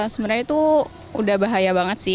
sebenarnya itu udah bahaya banget sih